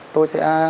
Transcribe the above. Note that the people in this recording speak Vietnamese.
tôi sẽ cấp điện